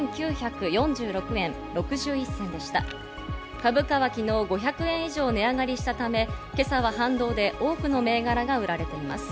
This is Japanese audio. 株価は昨日５００円以上値上がりしたため、今朝は反動で多くの銘柄が売られています。